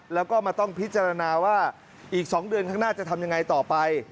แล้วก็มาต้องพิจารณาว่าอีก๒เดือนข้างหน้าจะทำยังไงต่อไป